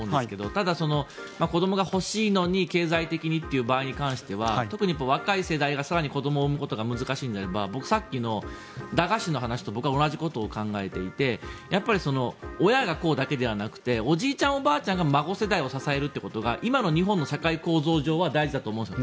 ただ、子どもが欲しいのに経済的にという場合に関しては特に若い世代が更に子どもを生むことが難しいならさっきの駄菓子の話と僕は同じことを考えていてやっぱり親がこうだけではなくておじいちゃん、おばあちゃんが孫世代を支えることが今の日本の社会構造上は大事だと思うんです。